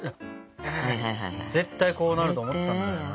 絶対こうなると思ったんだよな。